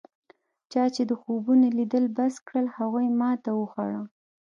چا چې د خوبونو لیدل بس کړل هغوی ماتې وخوړه.